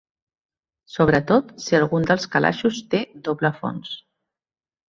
Sobretot si algun dels calaixos té doble fons.